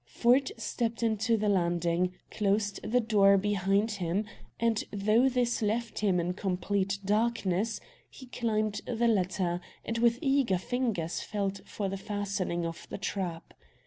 Ford stepped into the landing, closing the door behind him and though this left him in complete darkness, he climbed the ladder, and with eager fingers felt for the fastenings of the trap.